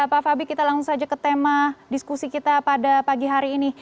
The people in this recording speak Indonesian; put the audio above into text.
pak fabi kita langsung saja ke tema diskusi kita pada pagi hari ini